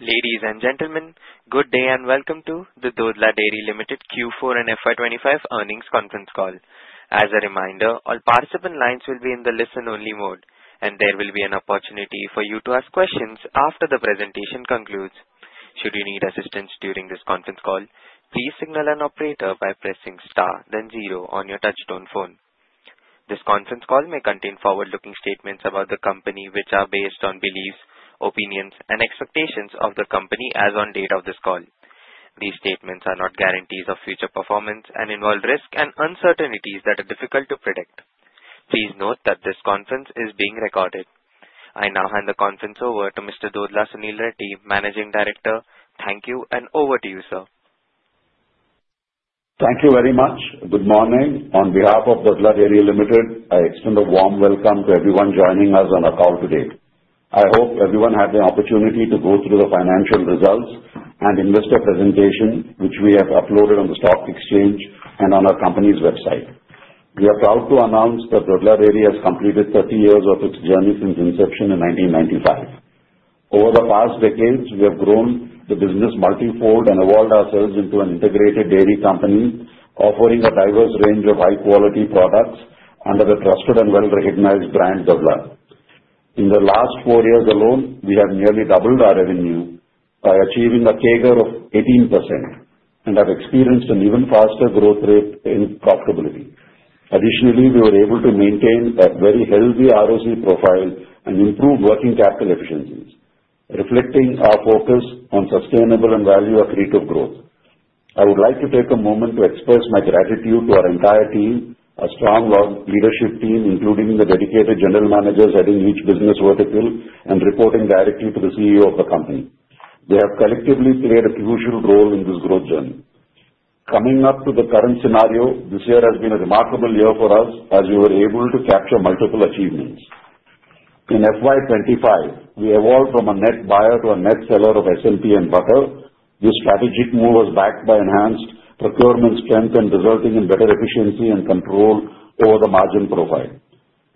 Ladies and gentlemen, good day and welcome to the Dodla Dairy Limited Q4 and FY25 earnings conference call. As a reminder, all participant lines will be in the listen-only mode, and there will be an opportunity for you to ask questions after the presentation concludes. Should you need assistance during this conference call, please signal an operator by pressing star, then zero on your touch-tone phone. This conference call may contain forward-looking statements about the company, which are based on beliefs, opinions, and expectations of the company as on date of this call. These statements are not guarantees of future performance and involve risks and uncertainties that are difficult to predict. Please note that this conference is being recorded. I now hand the conference over to Mr. Dodla Sunil Reddy, Managing Director. Thank you, and over to you, sir. Thank you very much. Good morning. On behalf of Dodla Dairy Limited, I extend a warm welcome to everyone joining us on our call today. I hope everyone had the opportunity to go through the financial results and investor presentation, which we have uploaded on the stock exchange and on our company's website. We are proud to announce that Dodla Dairy has completed 30 years of its journey since inception in 1995. Over the past decades, we have grown the business multi-fold and evolved ourselves into an integrated dairy company, offering a diverse range of high-quality products under the trusted and well-recognized brand Dodla. In the last four years alone, we have nearly doubled our revenue by achieving a CAGR of 18% and have experienced an even faster growth rate in profitability. Additionally, we were able to maintain a very healthy ROC profile and improve working capital efficiencies, reflecting our focus on sustainable and value-accretive growth. I would like to take a moment to express my gratitude to our entire team, a strong leadership team, including the dedicated general managers heading each business vertical and reporting directly to the CEO of the company. They have collectively played a crucial role in this growth journey. Coming up to the current scenario, this year has been a remarkable year for us as we were able to capture multiple achievements. In FY25, we evolved from a net buyer to a net seller of SMP and butter. This strategic move was backed by enhanced procurement strength, resulting in better efficiency and control over the margin profile.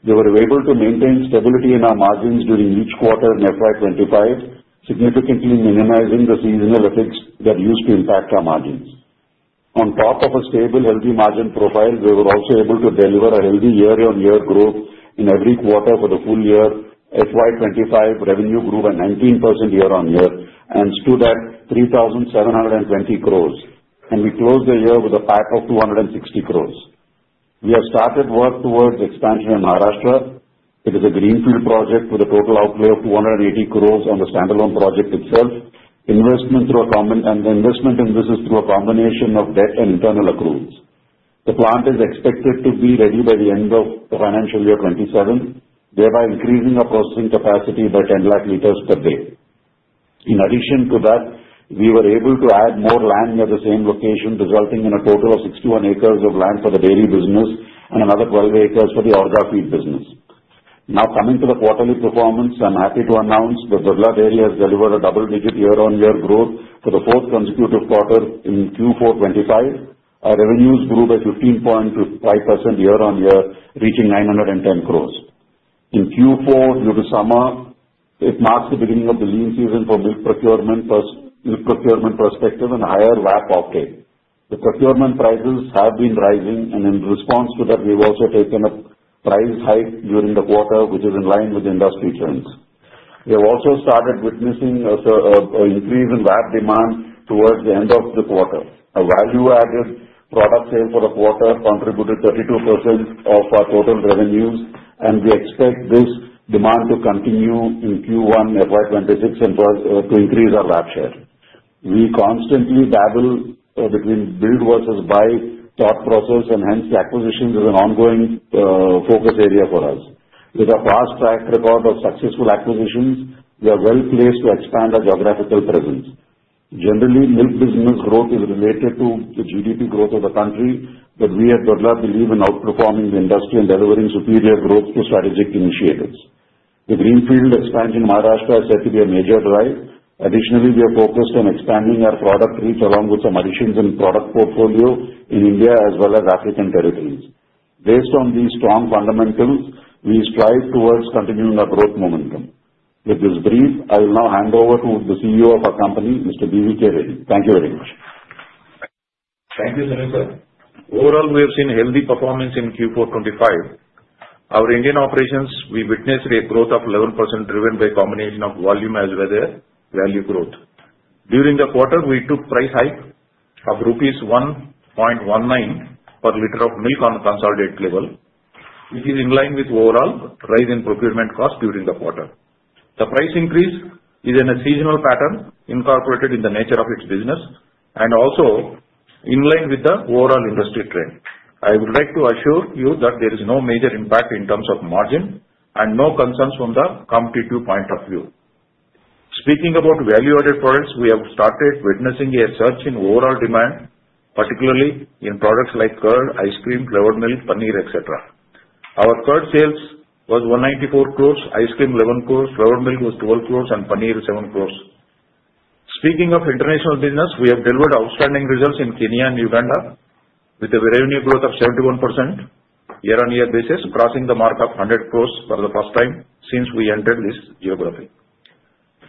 We were able to maintain stability in our margins during each quarter in FY25, significantly minimizing the seasonal effects that used to impact our margins. On top of a stable, healthy margin profile, we were also able to deliver a healthy year-on-year growth in every quarter for the full year. FY25 revenue grew by 19% year-on-year and stood at 3,720 crores, and we closed the year with a PAT of 260 crores. We have started work towards expansion in Maharashtra. It is a greenfield project with a total outlay of 280 crores on the standalone project itself, investment through a combination of debt and internal accruals. The plant is expected to be ready by the end of financial year 2027, thereby increasing our processing capacity by 10 lakh liters per day. In addition to that, we were able to add more land near the same location, resulting in a total of 61 acres of land for the dairy business and another 12 acres for the Orgafeed business. Now, coming to the quarterly performance, I'm happy to announce that Dodla Dairy has delivered a double-digit year-on-year growth for the fourth consecutive quarter in Q4 2025. Our revenues grew by 15.5% year-on-year, reaching 910 crores. In Q4, due to summer, it marks the beginning of the lean season for milk procurement perspective and higher VAP offtake. The procurement prices have been rising, and in response to that, we've also taken a price hike during the quarter, which is in line with industry trends. We have also started witnessing an increase in VAP demand towards the end of the quarter. Our value-added product sales for the quarter contributed 32% of our total revenues, and we expect this demand to continue in Q1 FY26 and to increase our VAP share. We constantly dabble between build versus buy thought process, and hence acquisition is an ongoing focus area for us. With a fast track record of successful acquisitions, we are well placed to expand our geographical presence. Generally, milk business growth is related to the GDP growth of the country, but we at Dodla believe in outperforming the industry and delivering superior growth through strategic initiatives. The greenfield expansion in Maharashtra is set to be a major drive. Additionally, we are focused on expanding our product reach along with some additions in product portfolio in India as well as African territories. Based on these strong fundamentals, we strive towards continuing our growth momentum. With this brief, I will now hand over to the CEO of our company, Mr. B.V.K. Reddy. Thank you very much. Thank you, Sunil. Overall, we have seen healthy performance in Q4 2025. Our Indian operations, we witnessed a growth of 11% driven by a combination of volume as well as value growth. During the quarter, we took price hike of rupees 1.19 per liter of milk on a consolidated level, which is in line with overall rise in procurement costs during the quarter. The price increase is in a seasonal pattern incorporated in the nature of its business and also in line with the overall industry trend. I would like to assure you that there is no major impact in terms of margin and no concerns from the competitive point of view. Speaking about value-added products, we have started witnessing a surge in overall demand, particularly in products like curd, ice cream, flavored milk, paneer, etc. Our curd sales was 194 crores, ice cream 11 crores, flavored milk was 12 crores, and paneer 7 crores. Speaking of international business, we have delivered outstanding results in Kenya and Uganda with a revenue growth of 71% year-on-year basis, crossing the mark of 100 crores for the first time since we entered this geography.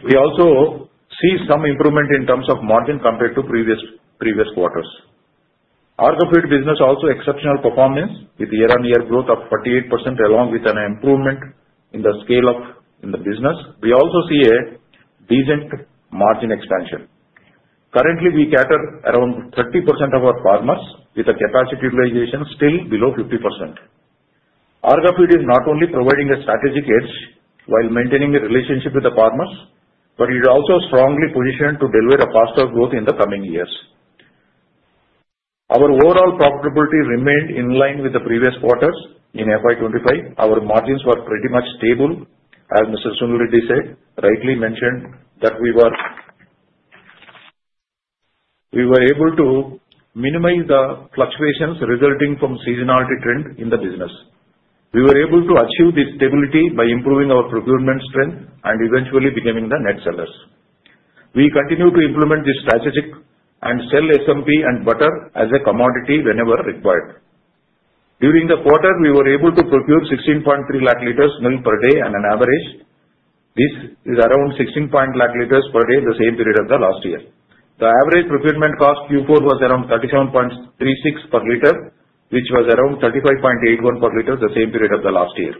We also see some improvement in terms of margin compared to previous quarters. Our Orgafeed business also exceptional performance with year-on-year growth of 48% along with an improvement in the scale of the business. We also see a decent margin expansion. Currently, we cater around 30% of our farmers with a capacity utilization still below 50%. Our Orgafeed is not only providing a strategic edge while maintaining a relationship with the farmers, but it is also strongly positioned to deliver a faster growth in the coming years. Our overall profitability remained in line with the previous quarters. In FY25, our margins were pretty much stable. As Mr. Sunil Reddy said, rightly mentioned that we were able to minimize the fluctuations resulting from seasonality trend in the business. We were able to achieve this stability by improving our procurement strength and eventually becoming the net sellers. We continue to implement this strategic and sell SMP and butter as a commodity whenever required. During the quarter, we were able to procure 16.3 lakh liters milk per day on an average. This is around 16.5 lakh liters per day the same period of the last year. The average procurement cost Q4 was around 37.36 per liter, which was around 35.81 per liter the same period of the last year.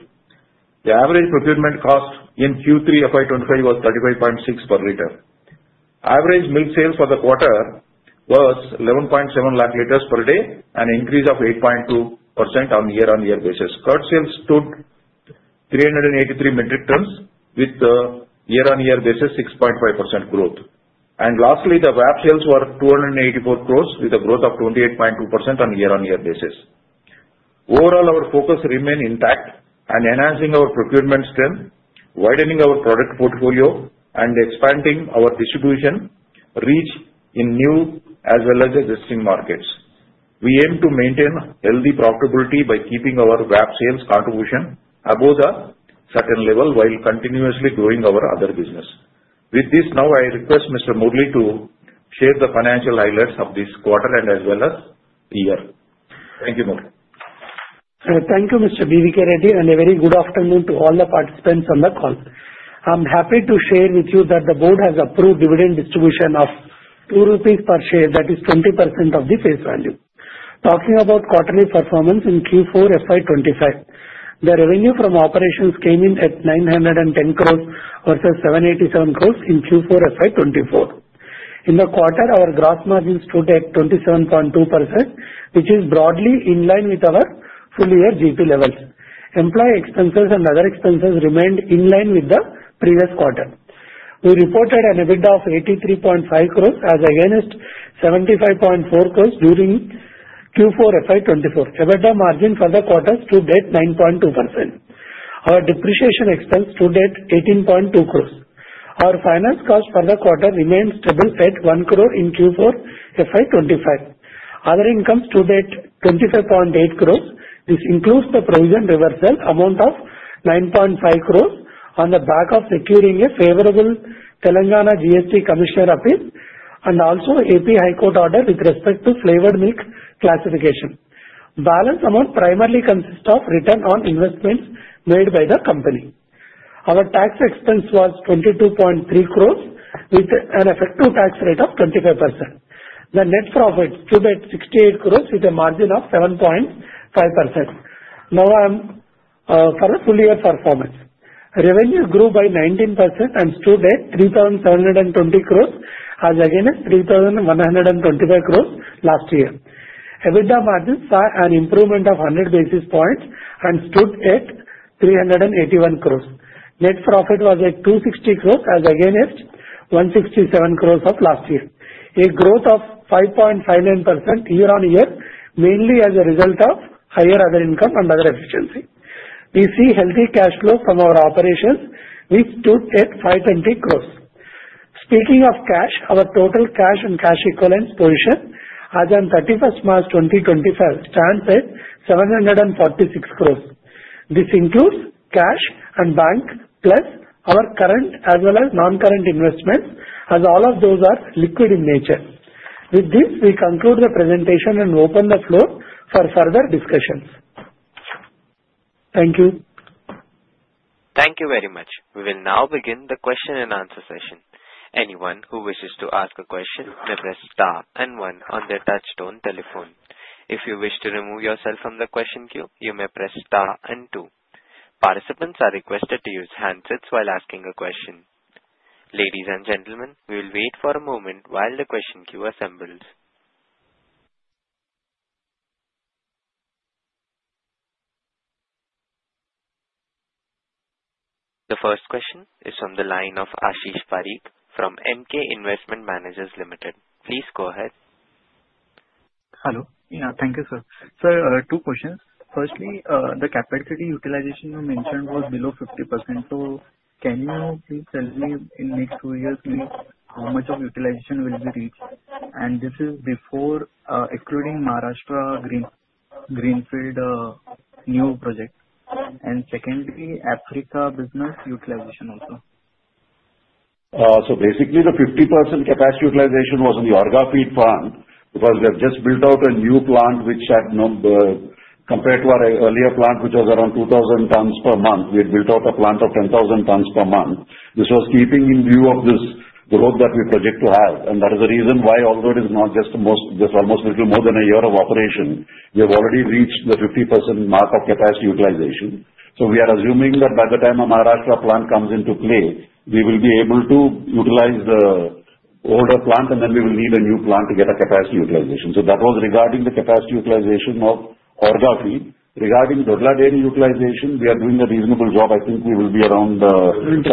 The average procurement cost in Q3 FY25 was 35.6 per liter. Average milk sales for the quarter was 11.7 lakh liters per day and increased of 8.2% on year-on-year basis. Curd sales stood 383 metric tons with the year-on-year basis 6.5% growth. Lastly, the VAP sales were 284 crores with a growth of 28.2% on year-on-year basis. Overall, our focus remained intact and enhancing our procurement strength, widening our product portfolio, and expanding our distribution reach in new as well as existing markets. We aim to maintain healthy profitability by keeping our VAP sales contribution above a certain level while continuously growing our other business. With this, now I request Mr. Murali to share the financial highlights of this quarter and as well as the year. Thank you, Murali. Thank you, Mr. B.V.K. Reddy, and a very good afternoon to all the participants on the call. I'm happy to share with you that the board has approved dividend distribution of 2 rupees per share, that is 20% of the face value. Talking about quarterly performance in Q4 FY25, the revenue from operations came in at 910 crores versus 787 crores in Q4 FY24. In the quarter, our gross margins stood at 27.2%, which is broadly in line with our full-year GP levels. Employee expenses and other expenses remained in line with the previous quarter. We reported an EBITDA of 83.5 crores as against 75.4 crores during Q4 FY24. EBITDA margin for the quarter stood at 9.2%. Our depreciation expense stood at 18.2 crores. Our finance cost for the quarter remained stable at 1 crore in Q4 FY25. Other income stood at 25.8 crores. This includes the provision reversal amount of 9.5 crores on the back of securing a favorable Telangana GST Commissioner appeal and also AP High Court order with respect to flavored milk classification. The balance amount primarily consists of return on investments made by the company. Our tax expense was 22.3 crores with an effective tax rate of 25%. The net profit stood at 68 crores with a margin of 7.5%. Now, for the full-year performance, revenue grew by 19% and stood at 3,720 crores as against 3,125 crores last year. EBITDA margin saw an improvement of 100 basis points and stood at 381 crores. Net profit was at 260 crores as against 167 crores of last year. A growth of 5.59% year-on-year, mainly as a result of higher other income and other efficiency. We see healthy cash flow from our operations, which stood at 520 crores. Speaking of cash, our total cash and cash equivalents position as of 31st March 2025 stands at 746 crores. This includes cash and bank plus our current as well as non-current investments, as all of those are liquid in nature. With this, we conclude the presentation and open the floor for further discussions. Thank you. Thank you very much. We will now begin the question and answer session. Anyone who wishes to ask a question may press star and one on their touch-tone telephone. If you wish to remove yourself from the question queue, you may press star and two. Participants are requested to use handsets while asking a question. Ladies and gentlemen, we will wait for a moment while the question queue assembles. The first question is from the line of Ashish Pareek from Emkay Investment Managers Limited. Please go ahead. Hello. Yeah, thank you, sir. Sir, two questions. Firstly, the capacity utilization you mentioned was below 50%. So can you please tell me in the next two years how much of utilization will be reached? And this is before excluding Maharashtra greenfield new project. And secondly, Africa business utilization also? So basically, the 50% capacity utilization was in the Orgafeed plant because we have just built out a new plant which compared to our earlier plant, which was around 2,000 tons per month, we had built out a plant of 10,000 tons per month. This was keeping in view of this growth that we project to have. And that is the reason why although it is not just almost a little more than a year of operation, we have already reached the 50% mark of capacity utilization. So we are assuming that by the time a Maharashtra plant comes into play, we will be able to utilize the older plant, and then we will need a new plant to get a capacity utilization. So that was regarding the capacity utilization of Orgafeed. Regarding Dodla Dairy utilization, we are doing a reasonable job. I think we will be around 70%-75%,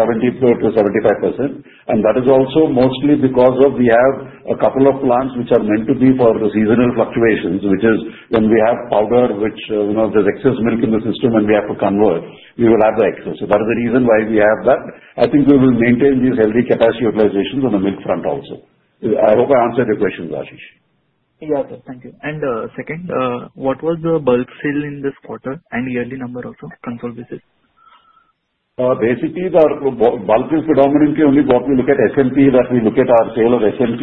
and that is also mostly because we have a couple of plants which are meant to be for the seasonal fluctuations, which is when we have powder, which there's excess milk in the system and we have to convert. We will have the excess. So that is the reason why we have that. I think we will maintain these healthy capacity utilizations on the milk front also. I hope I answered your questions, Ashish. Yeah, thank you. And second, what was the bulk sale in this quarter and yearly number also? Consolidated. Basically, the bulk is predominantly only what we look at SMP, that we look at our sale of SMP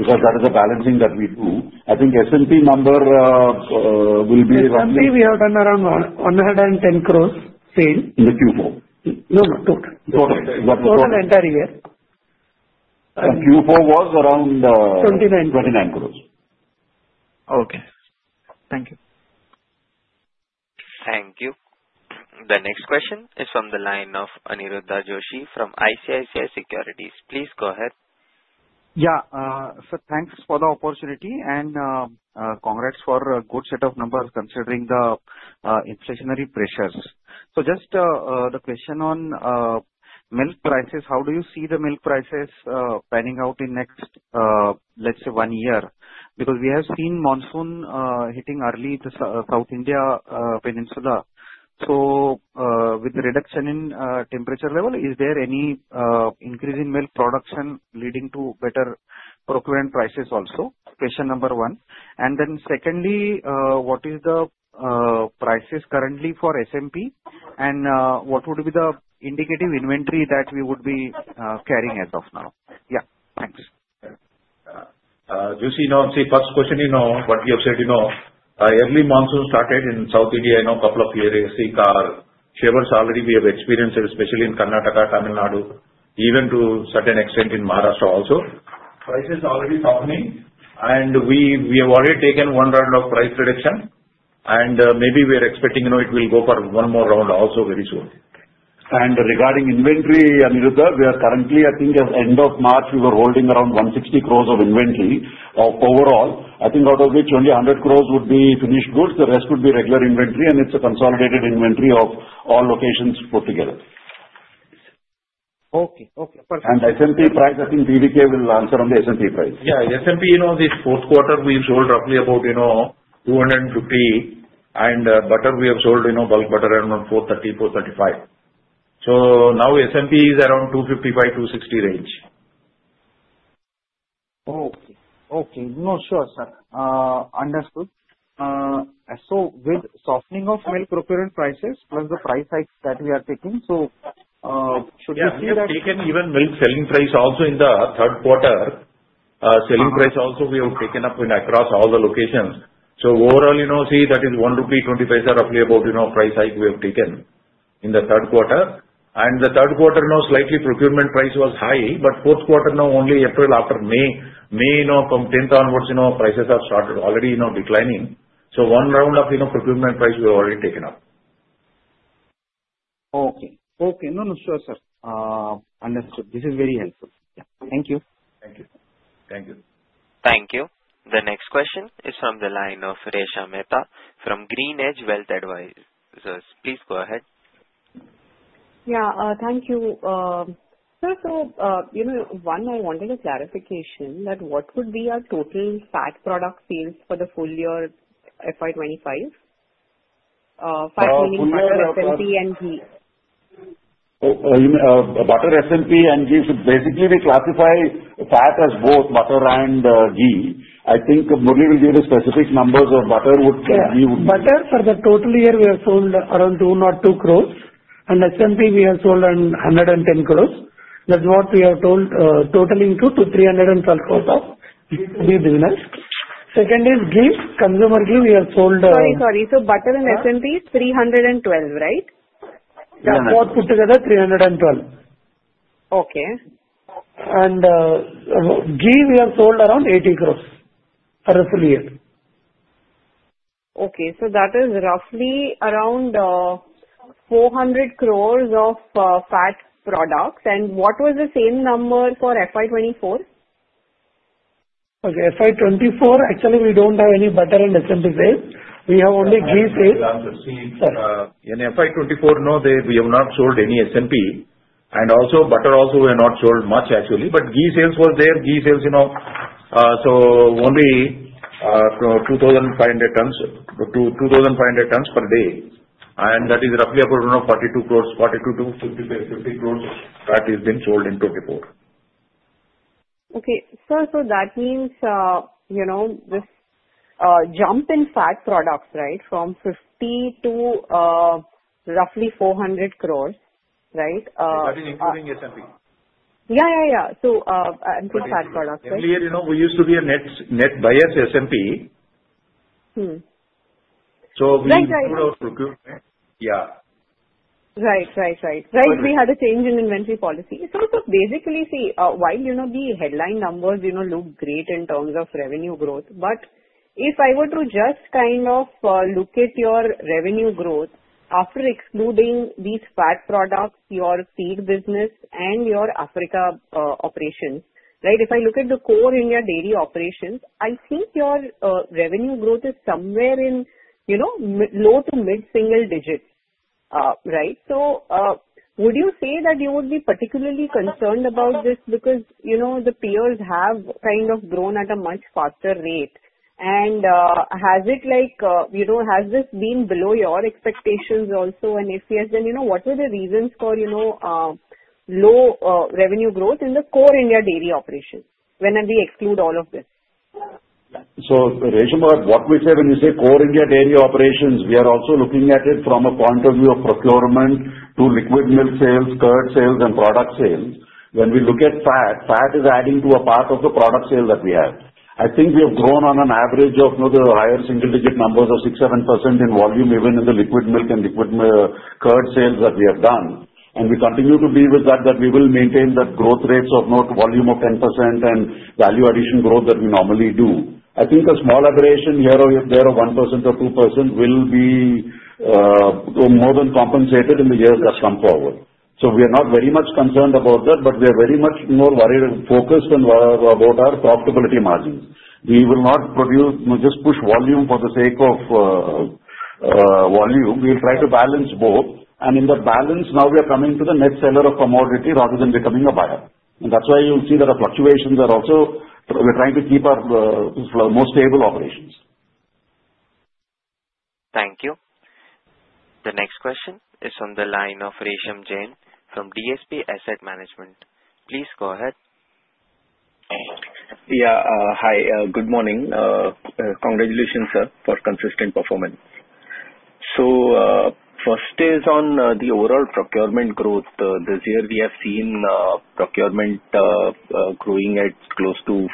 because that is the balancing that we do. I think SMP number will be around. SMP, we have done around 110 crores sale. In the Q4? No, no, total. Total. Total entire year. Q4 was around. 29. 29 crores. Okay. Thank you. Thank you. The next question is from the line of Aniruddha Joshi from ICICI Securities. Please go ahead. Yeah. So thanks for the opportunity and congrats for a good set of numbers considering the inflationary pressures. So just the question on milk prices, how do you see the milk prices panning out in next, let's say, one year? Because we have seen monsoon hitting early the South India Peninsula. So with the reduction in temperature level, is there any increase in milk production leading to better procurement prices also? Question number one. And then secondly, what is the prices currently for SMP? And what would be the indicative inventory that we would be carrying as of now? Yeah, thanks. Joshi, first question: what we have said, early monsoon started in South India a couple of years. Seeing our shivers already we have experienced, especially in Karnataka, Tamil Nadu, even to a certain extent in Maharashtra also. Prices are already toughening, and we have already taken one round of price reduction, and maybe we are expecting it will go for one more round also very soon, and regarding inventory, Aniruddha, we are currently. I think at the end of March, we were holding around 160 crores of inventory overall. I think out of which only 100 crores would be finished goods. The rest would be regular inventory, and it's a consolidated inventory of all locations put together. Okay, okay. SMP price, I think BVK will answer on the SMP price. Yeah, SMP, this fourth quarter, we've sold roughly about 200, and butter we have sold bulk butter around 430-435. So now SMP is around 255-260 range. Okay, okay. No, sure, sir. Understood. So with softening of milk procurement prices plus the price hikes that we are taking, so should we see that? We have taken even milk selling price also in the third quarter. Selling price also we have taken up across all the locations, so overall, see, that is 1.25 rupee roughly about price hike we have taken in the third quarter, and the third quarter, slightly, procurement price was high, but fourth quarter, only April after May, from 10th onwards, prices have started already declining, so one round of procurement price we have already taken up. Okay, okay. No, no, sure, sir. Understood. This is very helpful. Thank you. Thank you. Thank you. Thank you. The next question is from the line of Resha Mehta from GreenEdge Wealth Services. Please go ahead. Yeah, thank you. Sir, so one, I wanted a clarification that what would be our total fat product sales for the full year FY25? Fat meaning butter, SMP, and ghee. Butter, SMP, and ghee should basically be classified as fat, as both butter and ghee. I think Murli will give the specific numbers on butter and ghee. Butter for the total year, we have sold around 202 crores, and SMP we have sold 110 crores. That's what we have told totaling to 312 crores of ghee to be business. Second is ghee, consumer ghee we have sold. Sorry, sorry. So butter and SMP 312, right? Yeah, both put together 312. Okay. Ghee we have sold around 80 crores for the full year. Okay. So that is roughly around 400 crores of fat products. And what was the same number for FY24? Okay. FY24, actually, we don't have any butter and SMP sales. We have only ghee sales. In FY24, we have not sold any SMP. And also, butter also we have not sold much, actually. But ghee sales was there. Ghee sales, so only 2,500 tons per day. And that is roughly around 42 crores, 42 crores-50 crores that has been sold in 24. Okay. Sir, so that means this jump in fat products, right, from 50 crores to roughly 400 crores, right? That is including SMP. Yeah, yeah, yeah. So in fat products, right? Clearly, we used to be a net buyer to SMP. So we improved our procurement. Yeah. Right. We had a change in inventory policy. So basically, see, while the headline numbers look great in terms of revenue growth, but if I were to just kind of look at your revenue growth after excluding these fat products, your feed business, and your Africa operations, right, if I look at the core India dairy operations, I think your revenue growth is somewhere in low to mid single digits, right? So would you say that you would be particularly concerned about this because the peers have kind of grown at a much faster rate? And has this been below your expectations also? And if yes, then what were the reasons for low revenue growth in the core India dairy operations when we exclude all of this? So Resha, what we say when we say core India dairy operations, we are also looking at it from a point of view of procurement to liquid milk sales, curd sales, and product sales. When we look at fat, fat is adding to a part of the product sale that we have. I think we have grown on an average of the higher single digit numbers of 6%-7% in volume, even in the liquid milk and curd sales that we have done. And we continue to be with that, that we will maintain that growth rates of volume of 10% and value addition growth that we normally do. I think a small aberration here or there of 1% or 2% will be more than compensated in the years that come forward. So we are not very much concerned about that, but we are very much more focused on what are profitability margins. We will not just push volume for the sake of volume. We will try to balance both. And in the balance, now we are coming to the net seller of commodity rather than becoming a buyer. And that's why you'll see that our fluctuations are also, we're trying to keep our most stable operations. Thank you. The next question is from the line of Resham Jain from DSP Asset Management. Please go ahead. Yeah, hi. Good morning. Congratulations, sir, for consistent performance. So first is on the overall procurement growth. This year, we have seen procurement growing at close to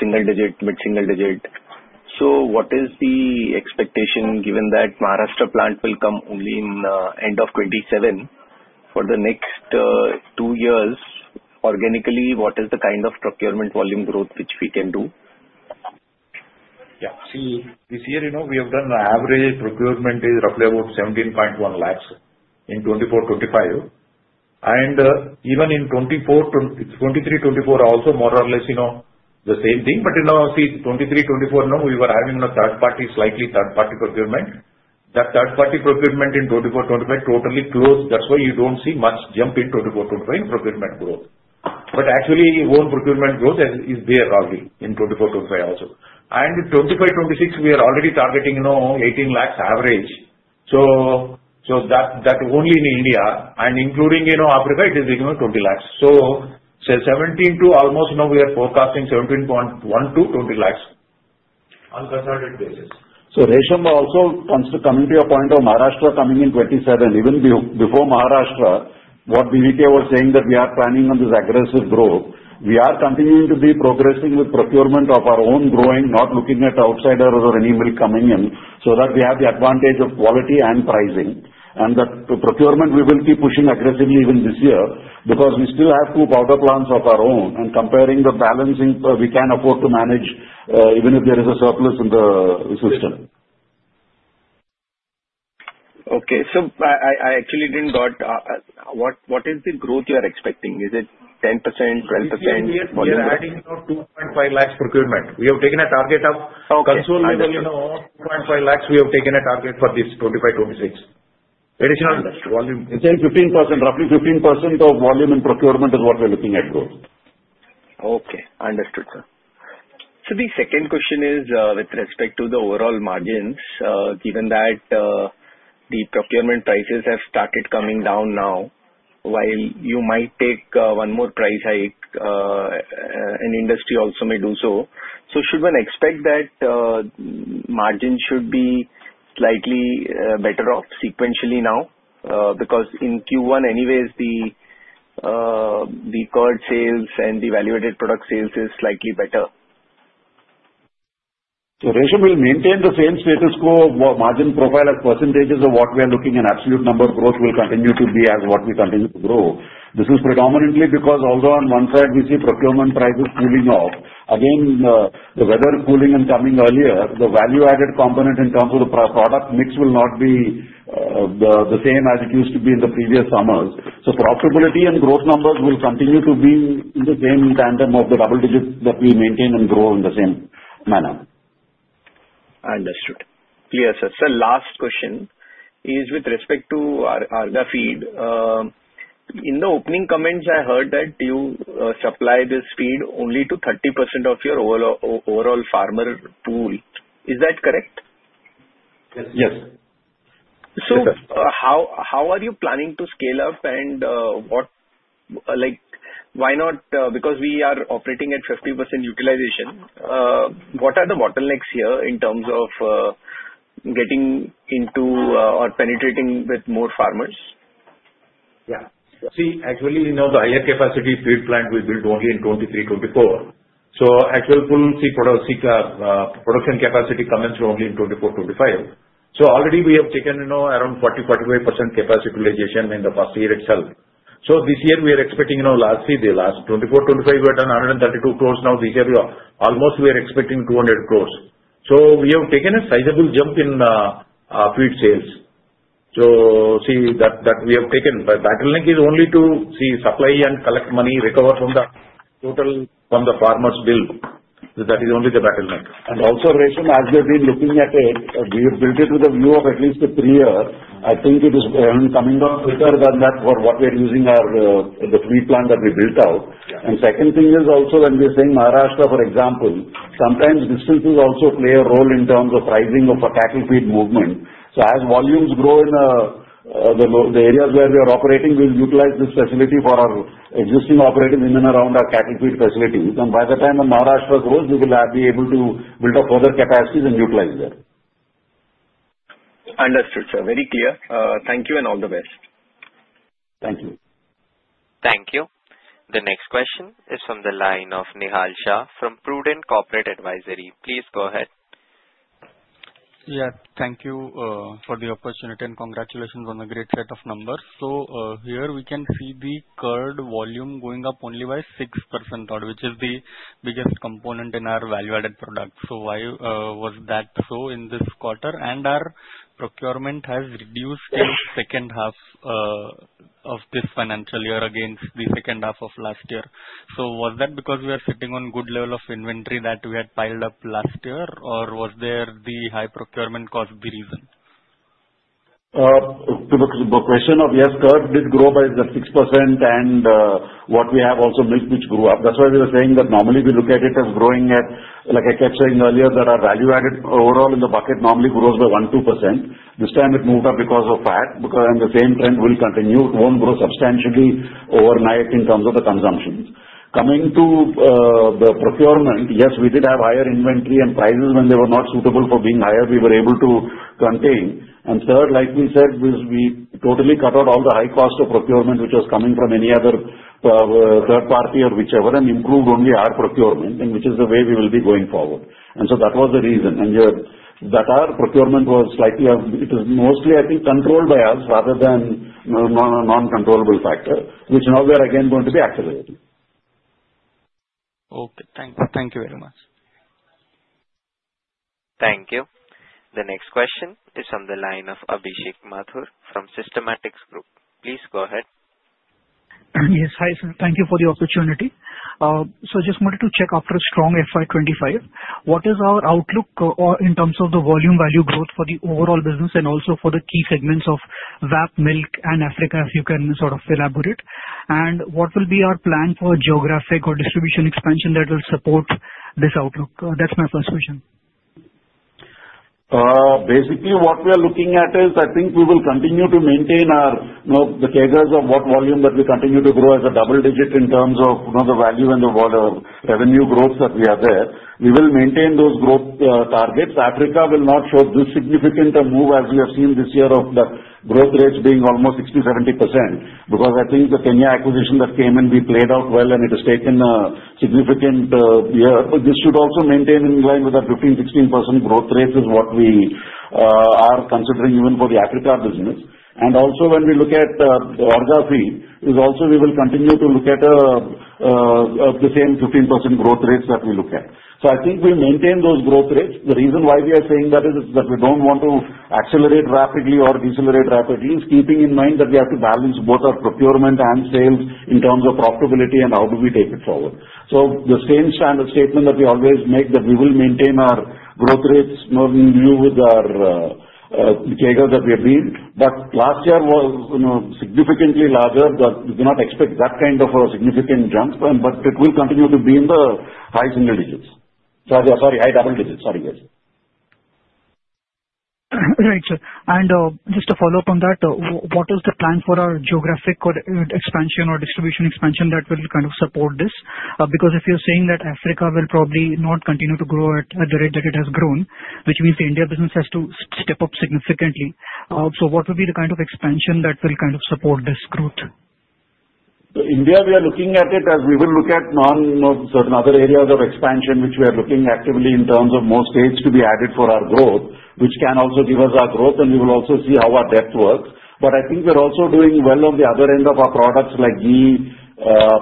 single digit, mid single digit. So what is the expectation given that Maharashtra plant will come only in end of 2027 for the next two years? Organically, what is the kind of procurement volume growth which we can do? Yeah. See, this year, we have done an average procurement is roughly about 17.1 lakhs in 2024, 2025. And even in 2024, 2023, 2024, also more or less the same thing. But see, 2023, 2024, we were having a third-party, slightly third-party procurement. That third-party procurement in 2024, 2025 totally closed. That's why you don't see much jump in 2024, 2025 in procurement growth. But actually, own procurement growth is there probably in 2024, 2025 also. And in 2025, 2026, we are already targeting 18 lakhs average. So that only in India. And including Africa, it is 20 lakhs. So 17 to almost we are forecasting 17.1 to 20 lakhs on a consolidated basis. So Risham also coming to your point of Maharashtra coming in 2027, even before Maharashtra, what BVK was saying that we are planning on this aggressive growth. We are continuing to be progressing with procurement of our own growers, not looking at outsiders or any milk coming in so that we have the advantage of quality and pricing, and the procurement, we will keep pushing aggressively even this year because we still have two powder plants of our own and comparing the balance we can afford to manage even if there is a surplus in the system. Okay. So I actually didn't get. What is the growth you are expecting? Is it 10%, 12%? This year, we are adding 2.5 lakhs procurement. We have taken a target of consolidated 2.5 lakhs. We have taken a target for this 2025, 2026. Additional volume. It's 15%. Roughly 15% of volume in procurement is what we're looking at growth. Okay. Understood, sir. So the second question is with respect to the overall margins, given that the procurement prices have started coming down now, while you might take one more price hike, the industry also may do so. So should one expect that margins should be slightly better off sequentially now? Because in Q1 anyways, the curd sales and the value-added product sales is slightly better. Resham will maintain the same status quo margin profile as percentages of what we are looking at. Absolute number of growth will continue to be as what we continue to grow. This is predominantly because also on one side, we see procurement prices cooling off. Again, the weather cooling and coming earlier, the value-added component in terms of the product mix will not be the same as it used to be in the previous summers. Profitability and growth numbers will continue to be in the same tandem of the double digits that we maintain and grow in the same manner. Understood. Clear, sir. So last question is with respect to Orgafeed. In the opening comments, I heard that you supply this feed only to 30% of your overall farmer pool. Is that correct? Yes. So how are you planning to scale up and why not? Because we are operating at 50% utilization. What are the bottlenecks here in terms of getting into or penetrating with more farmers? Yeah. See, actually, the higher capacity feed plant will build only in 2023, 2024. So actual full feed production capacity coming through only in 2024, 2025. So already we have taken around 40%-45% capacity utilization in the past year itself. So this year, we are expecting. Last year, the last 2024, 2025, we had done 132 crores. Now this year, almost we are expecting 200 crores. So we have taken a sizable jump in feed sales. So see, that we have taken. But bottleneck is only to see supply and collect money recover from the total from the farmers' bill. That is only the bottleneck. And also, Risham, as we have been looking at it, we have built it with a view of at least three years. I think it is coming out quicker than that for what we are using the feed plant that we built out. Second thing is also when we are saying Maharashtra, for example, sometimes distances also play a role in terms of rising of a cattle feed movement. As volumes grow in the areas where we are operating, we will utilize this facility for our existing operators in and around our cattle feed facility. By the time Maharashtra grows, we will be able to build up further capacities and utilize that. Understood, sir. Very clear. Thank you and all the best. Thank you. Thank you. The next question is from the line of Nihal Shah from Prudent Corporate Advisory. Please go ahead. Yeah, thank you for the opportunity and congratulations on the great set of numbers. So here we can see the curd volume going up only by 6%, which is the biggest component in our value-added product. So why was that so in this quarter? And our procurement has reduced in the second half of this financial year against the second half of last year. So was that because we are sitting on good level of inventory that we had piled up last year, or was there the high procurement caused the reason? The question of yes, curd did grow by 6% and what we have also milk, which grew up. That's why we were saying that normally we look at it as growing at, like I kept saying earlier, that our value-added overall in the bucket normally grows by 1%-2%. This time it moved up because of fat and the same trend will continue. It won't grow substantially overnight in terms of the consumption. Coming to the procurement, yes, we did have higher inventory and prices when they were not suitable for being higher. We were able to contain. And third, like we said, we totally cut out all the high cost of procurement, which was coming from any other third party or whichever, and improved only our procurement, which is the way we will be going forward. And so that was the reason. And that our procurement was slightly, it is mostly, I think, controlled by us rather than a non-controllable factor, which now we are again going to be accelerating. Okay. Thank you. Thank you very much. Thank you. The next question is from the line of Abhishek Mathur from Systematix Group. Please go ahead. Yes, hi. Thank you for the opportunity so just wanted to check after a strong FY25, what is our outlook in terms of the volume value growth for the overall business and also for the key segments of VAP, milk, and Africa, if you can sort of elaborate? And what will be our plan for geographic or distribution expansion that will support this outlook? That's my first question. Basically, what we are looking at is, I think, we will continue to maintain the figures of what volume that we continue to grow as a double digit in terms of the value and the revenue growth that we have there. We will maintain those growth targets. Africa will not show this significant move as we have seen this year of the growth rates being almost 60%-70% because, I think, the Kenya acquisition that came and we played out well and it has taken a significant year. This should also maintain in line with our 15%-16% growth rates, is what we are considering even for the Africa business, and also when we look at the Orgafeed, we will continue to look at the same 15% growth rates that we look at, so I think we maintain those growth rates. The reason why we are saying that is that we don't want to accelerate rapidly or decelerate rapidly is keeping in mind that we have to balance both our procurement and sales in terms of profitability and how do we take it forward. So the same standard statement that we always make that we will maintain our growth rates in view with our figures that we have been. But last year was significantly larger. We do not expect that kind of a significant jump, but it will continue to be in the high single digits. Sorry, high double digits. Sorry, guys. Right. And just to follow up on that, what is the plan for our geographic expansion or distribution expansion that will kind of support this? Because if you're saying that Africa will probably not continue to grow at the rate that it has grown, which means the India business has to step up significantly. So what would be the kind of expansion that will kind of support this growth? So in India, we are looking at it as we will look at certain other areas of expansion, which we are looking actively in terms of more states to be added for our growth, which can also give us our growth, and we will also see how our debt works. But I think we're also doing well on the other end of our products like ghee,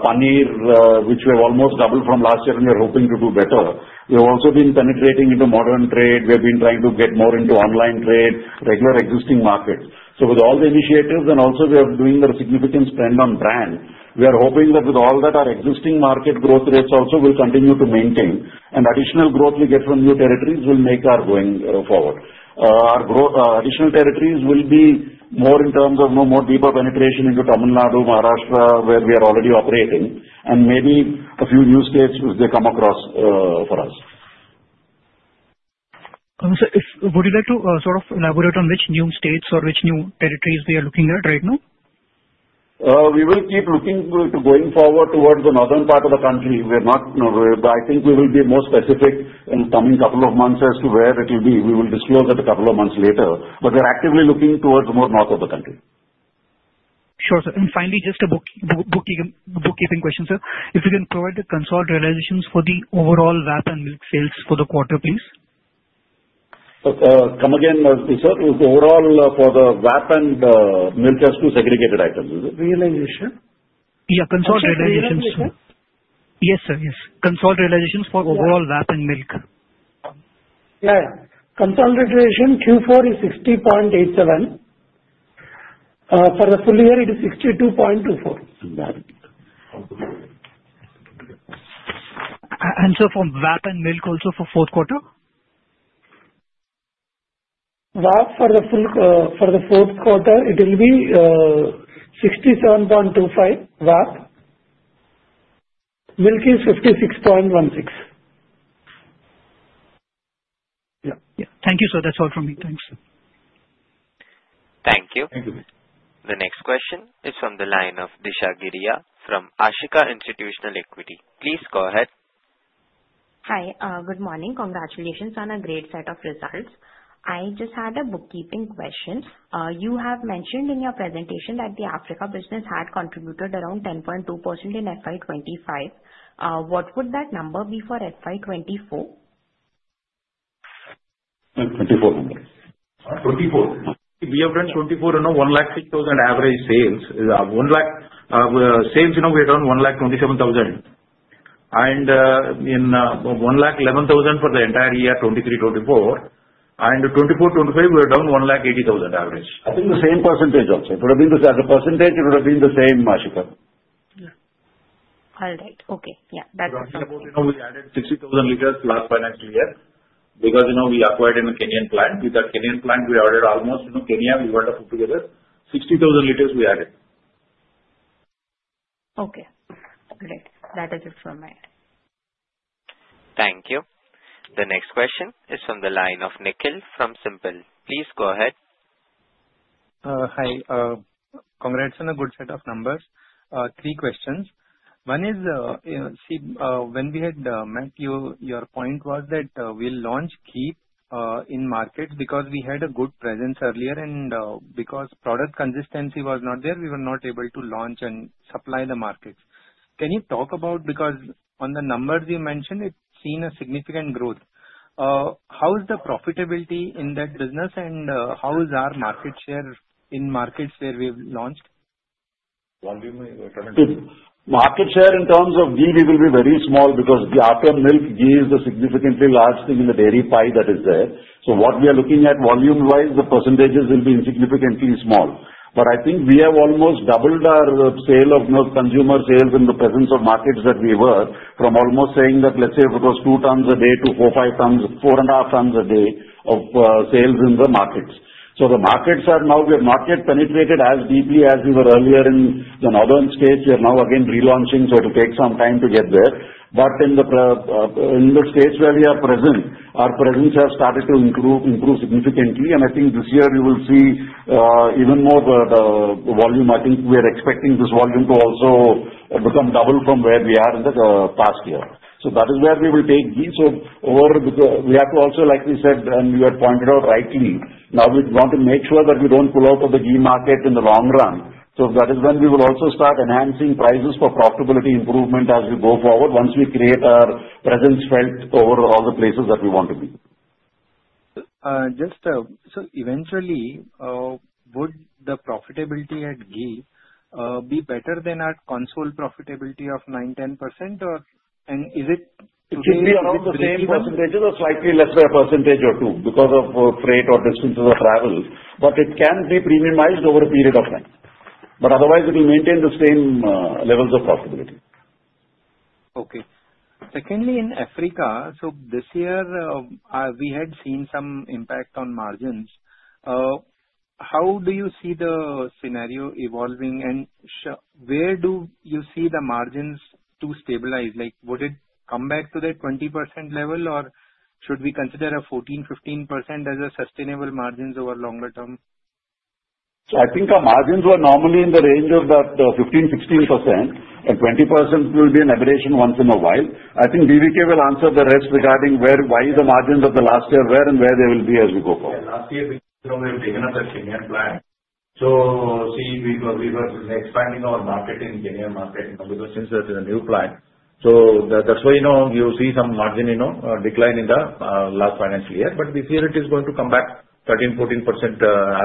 paneer, which we have almost doubled from last year and we are hoping to do better. We have also been penetrating into modern trade. We have been trying to get more into online trade, regular existing markets. With all the initiatives and also we are doing a significant spend on brand, we are hoping that with all that, our existing market growth rates also will continue to maintain. Additional growth we get from new territories will make our going forward. Our additional territories will be more in terms of more deeper penetration into Tamil Nadu, Maharashtra, where we are already operating, and maybe a few new states as they come across for us. Would you like to sort of elaborate on which new states or which new territories we are looking at right now? We will keep looking to going forward towards the northern part of the country. I think we will be more specific in the coming couple of months as to where it will be. We will disclose that a couple of months later. But we are actively looking towards the more north of the country. Sure. And finally, just a bookkeeping question, sir. If you can provide the cost realizations for the overall VAP and milk sales for the quarter, please? Come again, sir. Overall for the VAP and milk as two segregated items. Realization? Yeah. Consolidated realizations. Yes, sir. Yes. Consolidated realizations for overall VAP and milk. Yeah. Cost realization Q4 is 60.87. For the full year, it is 62.24. And so for VAP and milk also for fourth quarter? VAP for the fourth quarter, it will be 67.25 VAP. Milk is 56.16. Yeah. Yeah. Thank you, sir. That's all from me. Thanks. Thank you. Thank you. The next question is from the line of Disha Giriya from Ashika Institutional Equity. Please go ahead. Hi. Good morning. Congratulations on a great set of results. I just had a bookkeeping question. You have mentioned in your presentation that the Africa business had contributed around 10.2% in FY25. What would that number be for FY24? 24 number. 24. We have done 24, 106,000 average sales. Sales we have done 127,000. And 111,000 for the entire year 2023-24. And 2024-25, we have done 180,000 average. I think the same percentage also. It would have been as a percentage, it would have been the same, Ashika. Yeah. All right. Okay. Yeah. That's what I'm talking about. We have added 60,000 liters last financial year because we acquired a Kenyan plant. With that Kenyan plant, we covered almost Kenya. Okay. All right. That is it from my end. Thank you. The next question is from the line of Nikhil from SIMPL. Please go ahead. Hi. Congrats on a good set of numbers. Three questions. One is, see, when we had met you, your point was that we'll launch in key markets because we had a good presence earlier, and because product consistency was not there, we were not able to launch and supply the markets. Can you talk about, because on the numbers you mentioned, it's seen a significant growth. How is the profitability in that business, and how is our market share in markets where we have launched? Market share in terms of ghee, we will be very small because the after milk, ghee is the significantly large thing in the dairy pie that is there. So what we are looking at volume-wise, the percentages will be significantly small. But I think we have almost doubled our sale of consumer sales in the presence of markets that we were from almost saying that, let's say, if it was two tons a day to four and a half tons a day of sales in the markets. So the markets are now, we have market penetrated as deeply as we were earlier in the northern states. We are now again relaunching, so it will take some time to get there. But in the states where we are present, our presence has started to improve significantly. And I think this year we will see even more volume. I think we are expecting this volume to also become double from where we are in the past year. So that is where we will take ghee. So we have to also, like we said, and you had pointed out rightly, now we want to make sure that we don't pull out of the ghee market in the long run. So that is when we will also start enhancing prices for profitability improvement as we go forward once we create our presence felt over all the places that we want to be. Just so eventually, would the profitability at ghee be better than our consolidated profitability of 9%-10%, or is it? It should be around the same percentage or slightly less by a percentage or two because of freight or distances of travel, but it can be premiumized over a period of time, but otherwise, it will maintain the same levels of profitability. Okay. Secondly, in Africa, so this year we had seen some impact on margins. How do you see the scenario evolving, and where do you see the margins to stabilize? Would it come back to that 20% level, or should we consider a 14%-15% as a sustainable margins over longer term? So I think our margins were normally in the range of 15%-16%, and 20% will be an aberration once in a while. I think DVK will answer the rest regarding why the margins of the last year, where and where they will be as we go forward. Last year, we have taken up that Kenyan plant. So see, we were expanding our market in Kenyan market because since that is a new plant. So that's why you see some margin decline in the last financial year. But this year it is going to come back 13%-14%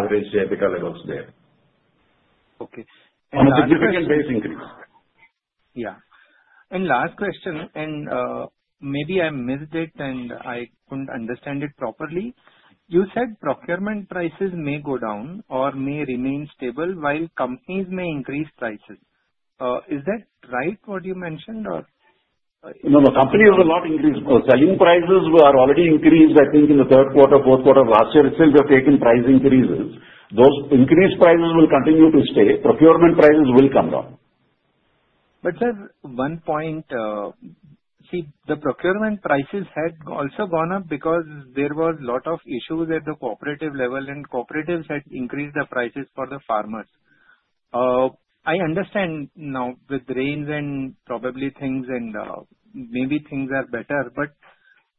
average capital levels there. Okay. On a significant base increase. Yeah. And last question, and maybe I missed it and I couldn't understand it properly. You said procurement prices may go down or may remain stable while companies may increase prices. Is that right what you mentioned, or? No, the companies will not increase. Selling prices are already increased, I think, in the third quarter, fourth quarter of last year. Still, we have taken price increases. Those increased prices will continue to stay. Procurement prices will come down. But sir, one point, see, the procurement prices had also gone up because there were a lot of issues at the cooperative level, and cooperatives had increased the prices for the farmers. I understand now with the rains and probably things and maybe things are better, but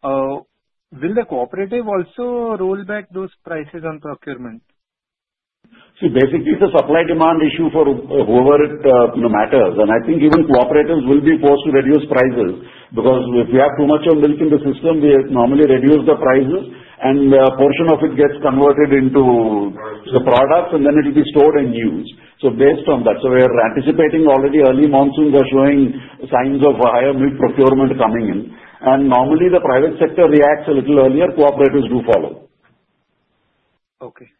will the cooperative also roll back those prices on procurement? See, basically, it's a supply-demand issue for whoever it matters. And I think even cooperatives will be forced to reduce prices because if we have too much of milk in the system, we normally reduce the prices, and a portion of it gets converted into the products, and then it will be stored and used. So based on that, we are anticipating. Already early monsoons are showing signs of higher milk procurement coming in. And normally, the private sector reacts a little earlier. Cooperatives do follow. Okay.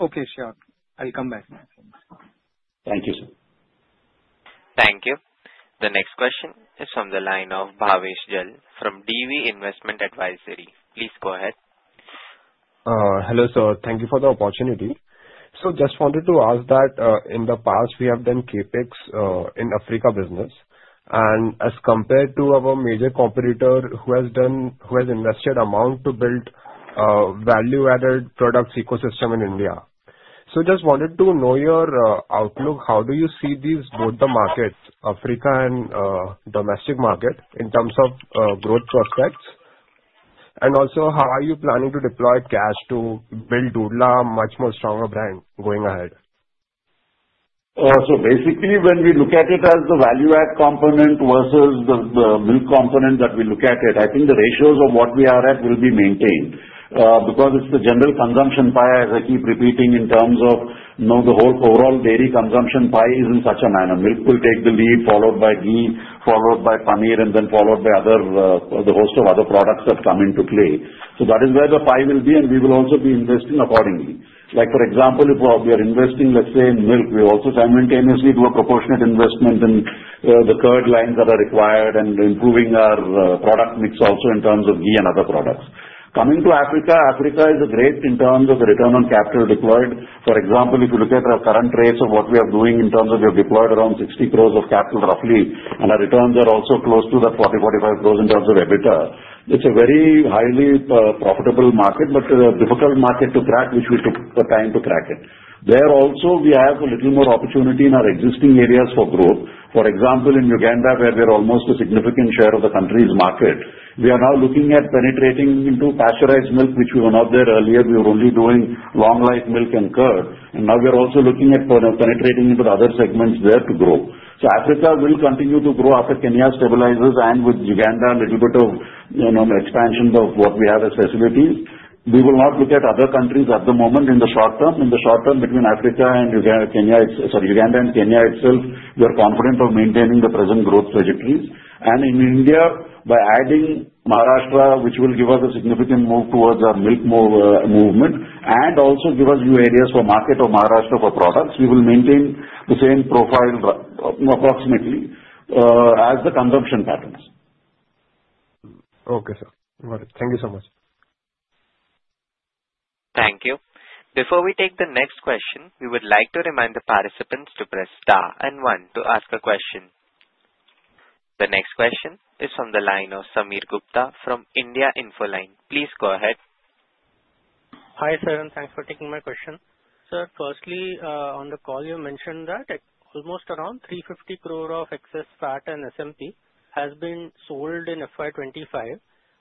Okay, sir. I'll come back. Thank you, sir. Thank you. The next question is from the line of Bhavesh Jain from DV Investment Advisory. Please go ahead. Hello, sir. Thank you for the opportunity. So just wanted to ask that in the past, we have done CapEx in Africa business. And as compared to our major competitor, who has invested amount to build value-added products ecosystem in India. So just wanted to know your outlook. How do you see these both the markets, Africa and domestic market, in terms of growth prospects? And also, how are you planning to deploy cash to build Dodla, much more stronger brand going ahead? Basically, when we look at it as the value-add component versus the milk component that we look at it, I think the ratios of what we are at will be maintained because it's the general consumption pie, as I keep repeating, in terms of the whole overall dairy consumption pie is in such a manner. Milk will take the lead, followed by ghee, followed by paneer, and then followed by the host of other products that come into play. That is where the pie will be, and we will also be investing accordingly. For example, if we are investing, let's say, in milk, we also simultaneously do a proportionate investment in the curd lines that are required and improving our product mix also in terms of ghee and other products. Coming to Africa, Africa is great in terms of the return on capital deployed. For example, if you look at our current rates of what we are doing in terms of we have deployed around 60 crores of capital roughly, and our returns are also close to that 40-45 crores in terms of EBITDA. It's a very highly profitable market, but a difficult market to crack, which we took time to crack it. There also, we have a little more opportunity in our existing areas for growth. For example, in Uganda, where we are almost a significant share of the country's market, we are now looking at penetrating into pasteurized milk, which we were not there earlier. We were only doing long-life milk and curd. And now we are also looking at penetrating into the other segments there to grow. So Africa will continue to grow after Kenya stabilizes and with Uganda, a little bit of expansion of what we have as facilities. We will not look at other countries at the moment in the short term. In the short term, between Africa and Uganda and Kenya itself, we are confident of maintaining the present growth trajectories. And in India, by adding Maharashtra, which will give us a significant move towards our milk movement and also give us new areas for market of Maharashtra for products, we will maintain the same profile approximately as the consumption patterns. Okay, sir. All right. Thank you so much. Thank you. Before we take the next question, we would like to remind the participants to press star and one to ask a question. The next question is from the line of Sameer Gupta from India InfoLine. Please go ahead. Hi, sir, and thanks for taking my question. Sir, firstly, on the call, you mentioned that almost around 350 crore of excess fat and SMP has been sold in FY25.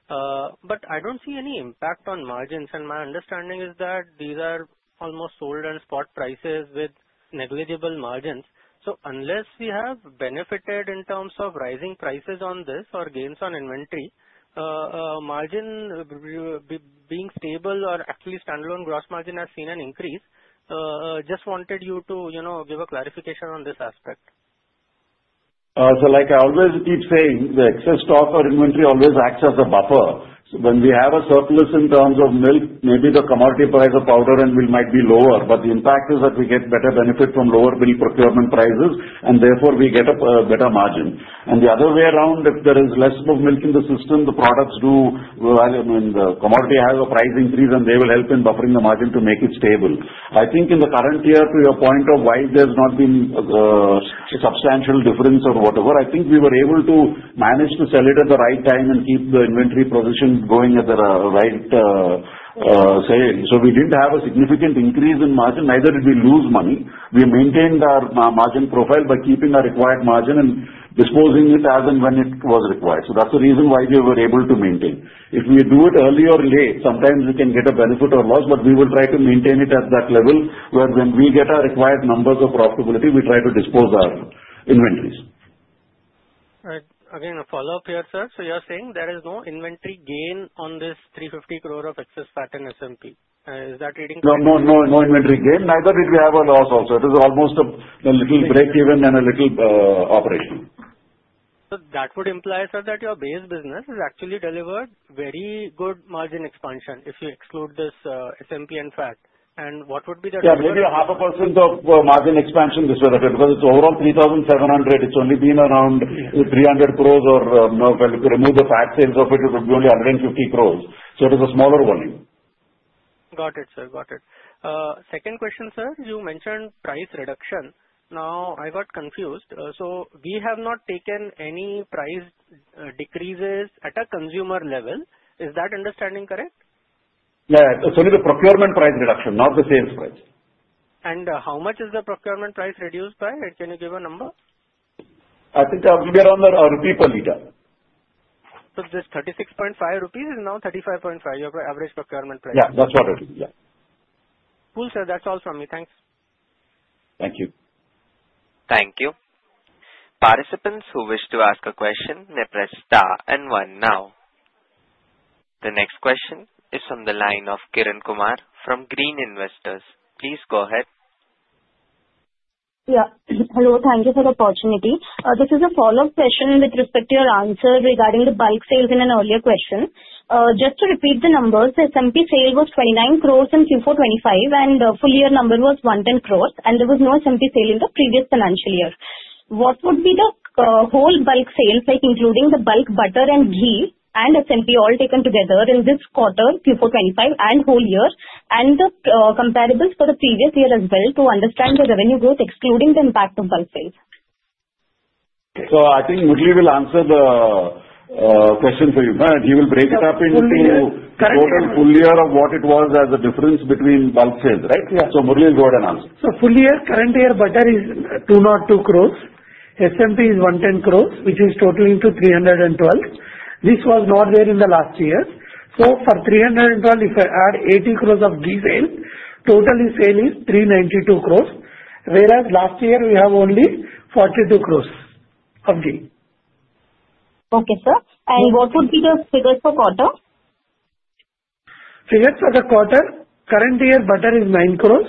But I don't see any impact on margins. And my understanding is that these are almost sold on spot prices with negligible margins. So unless we have benefited in terms of rising prices on this or gains on inventory, margin being stable or at least standalone gross margin has seen an increase. Just wanted you to give a clarification on this aspect. So like I always keep saying, the excess stock or inventory always acts as a buffer. When we have a surplus in terms of milk, maybe the commodity price of powder and fat might be lower. But the impact is that we get better benefit from lower milk procurement prices, and therefore we get a better margin. And the other way around, if there is less of milk in the system, the products do, the commodity has a price increase, and they will help in buffering the margin to make it stable. I think in the current year, to your point of why there's not been a substantial difference or whatever, I think we were able to manage to sell it at the right time and keep the inventory position going at the right. So we didn't have a significant increase in margin. Neither did we lose money. We maintained our margin profile by keeping our required margin and disposing it as and when it was required. So that's the reason why we were able to maintain. If we do it early or late, sometimes we can get a benefit or loss, but we will try to maintain it at that level where when we get our required numbers of profitability, we try to dispose our inventories. All right. Again, a follow-up here, sir. So you're saying there is no inventory gain on this 350 crore of excess fat and SMP. Is that reading clear? No, no, no inventory gain. Neither did we have a loss also. It was almost a little break-even and a little operation. So that would imply, sir, that your base business has actually delivered very good margin expansion if you exclude this SMP and fat. And what would be the? Yeah, maybe 0.5% of margin expansion this year because it's overall 3,700. It's only been around 300 crores or if we remove the fat sales of it, it would be only 150 crores. So it is a smaller volume. Got it, sir. Got it. Second question, sir, you mentioned price reduction. Now, I got confused. So we have not taken any price decreases at a consumer level. Is that understanding correct? Yeah. It's only the procurement price reduction, not the sales price. How much is the procurement price reduced by? Can you give a number? I think it will be around INR 1 per liter. This 36.5 rupees is now 35.5, your average procurement price. Yeah, that's what it is. Yeah. Cool, sir. That's all from me. Thanks. Thank you. Thank you. Participants who wish to ask a question may press star and one now. The next question is from the line of Kiran Kumar from Green Investors. Please go ahead. Yeah. Hello. Thank you for the opportunity. This is a follow-up question with respect to your answer regarding the bulk sales in an earlier question. Just to repeat the numbers, the SMP sale was 29 crores in Q425, and the full year number was 110 crores. And there was no SMP sale in the previous financial year. What would be the whole bulk sales, including the bulk butter and ghee and SMP all taken together in this quarter, Q425 and whole year, and the comparables for the previous year as well to understand the revenue growth, excluding the impact of bulk sales? So I think Murali will answer the question for you. He will break it up into total full year of what it was as a difference between bulk sales, right? So Murali will go ahead and answer. So full year, current year butter is 202 crores. SMP is 110 crores, which is totaling to 312. This was not there in the last year. So for 312, if I add 80 crores of ghee sale, total sale is 392 crores, whereas last year we have only 42 crores of ghee. Okay, sir. And what would be the figures for quarter? Figures for the quarter, current year butter is 9 crores.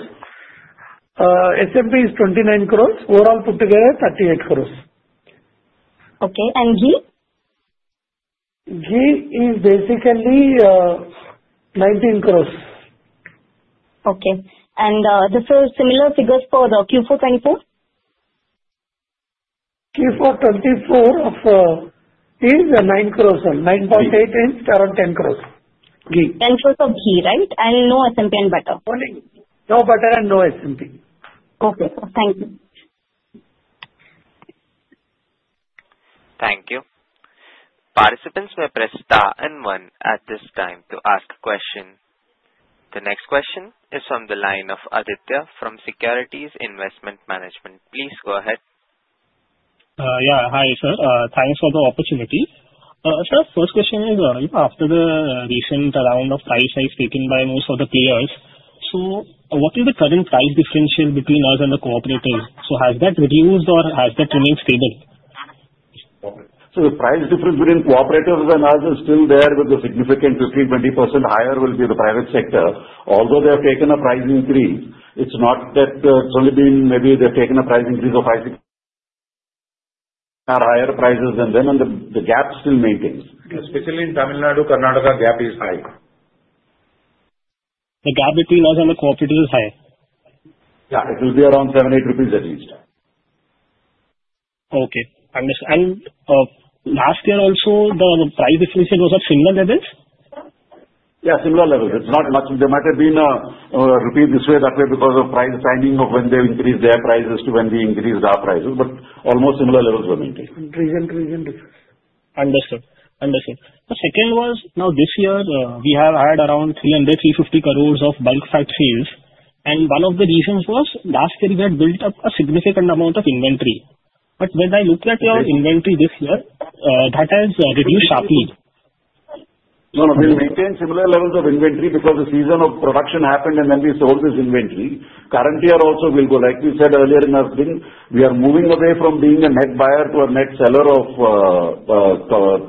SMP is 29 crores. Overall put together, 38 crores. Okay. And ghee? Ghee is basically 19 crores. Okay. And the similar figures for Q424? Q424 is 9 crores, 9.8 and around 10 crores. 10 crores of ghee, right? And no SMP and butter? No butter and no SMP. Okay. Thank you. Thank you. Participants may press star and one at this time to ask a question. The next question is from the line of Aditya from Securities Investment Management. Please go ahead. Yeah. Hi, sir. Thanks for the opportunity. Sir, first question is, after the recent round of price hikes taken by most of the players, so what is the current price differential between us and the cooperatives? So has that reduced or has that remained stable? So, the price difference between cooperatives and us is still there with a significant 15%-20% higher will be the private sector. Although they have taken a price increase, it's not that it's only been maybe they've taken a price increase of 5%-6% higher prices than them, and the gap still maintains. Especially in Tamil Nadu, Karnataka, gap is high. The gap between us and the cooperatives is high? Yeah. It will be around 7-8 rupees at least. Okay. And last year also, the price differential was at similar levels? Yeah, similar levels. It's not much. There might have been a rupee this way, that way because of price timing of when they increased their prices to when we increased our prices. But almost similar levels were maintained. Understood. Understood. The second was now this year, we have had around 350 crores of bulk fat sales. And one of the reasons was last year we had built up a significant amount of inventory. But when I look at your inventory this year, that has reduced sharply. No, no. We maintained similar levels of inventory because the season of production happened, and then we sold this inventory. Current year also will go, like we said earlier in our thing, we are moving away from being a net buyer to a net seller of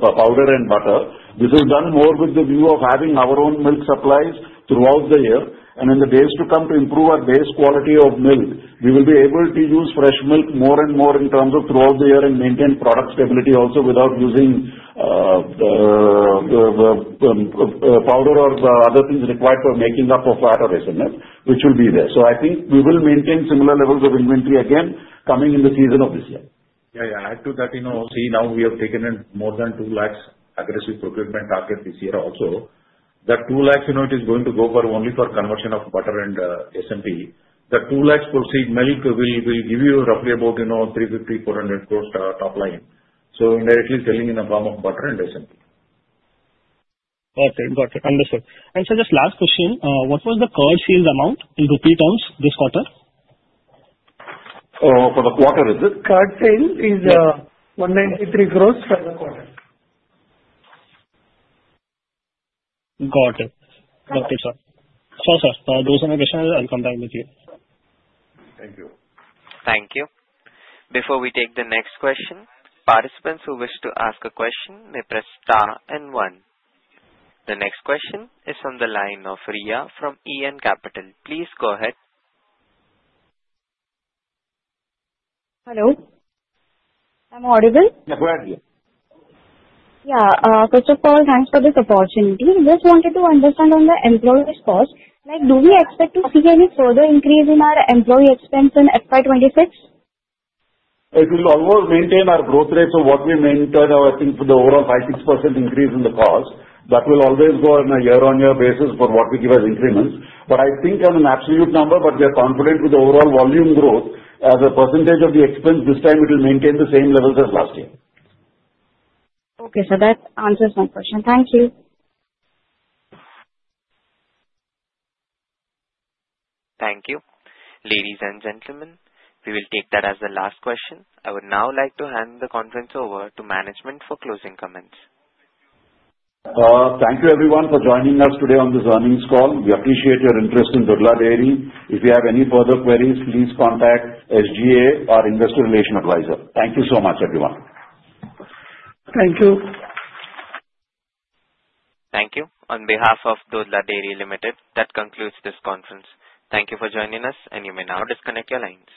powder and butter. This is done more with the view of having our own milk supplies throughout the year, and in the days to come to improve our base quality of milk, we will be able to use fresh milk more and more in terms of throughout the year and maintain product stability also without using powder or other things required for making up for fat or SNF, which will be there, so I think we will maintain similar levels of inventory again coming in the season of this year. Yeah, yeah. Add to that, you know, see now we have taken in more than 2 lakhs aggressive procurement target this year also. That 2 lakhs, you know, it is going to go for only for conversion of butter and SMP. That 2 lakhs procured milk will give you roughly about 350-400 crores top line. So indirectly selling in the form of butter and SMP. Got it. Got it. Understood. And sir, just last question, what was the curd sales amount in rupee terms this quarter? For the quarter, is it? Curd sales is 193 crores for the quarter. Got it. Okay, sir. So, sir, those are my questions. I'll come back with you. Thank you. Thank you. Before we take the next question, participants who wish to ask a question may press star and one. The next question is from the line of Riya from EM Capital. Please go ahead. Hello. I'm audible? Yeah, go ahead, Riya. Yeah. First of all, thanks for this opportunity. Just wanted to understand on the employee cost, do we expect to see any further increase in our employee expense in FY26? It will almost maintain our growth rate. So what we maintained, I think, for the overall 5-6% increase in the cost, that will always go on a year-on-year basis for what we give as increments. But I think on an absolute number, but we are confident with the overall volume growth as a percentage of the expense, this time it will maintain the same levels as last year. Okay. So that answers my question. Thank you. Thank you. Ladies and gentlemen, we will take that as the last question. I would now like to hand the conference over to management for closing comments. Thank you, everyone, for joining us today on this earnings call. We appreciate your interest in Dodla Dairy. If you have any further queries, please contact SGA or Investor Relations Advisor. Thank you so much, everyone. Thank you. Thank you. On behalf of Dodla Dairy Limited, that concludes this conference. Thank you for joining us, and you may now disconnect your lines.